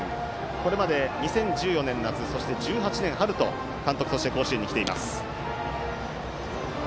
これまで２０１４年夏、１８年の春に監督として甲子園に来ています。